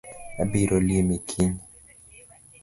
Abiro limi kiny